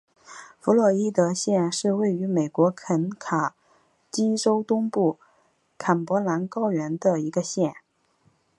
弗洛伊德县是位于美国肯塔基州东部坎伯兰高原的一个县。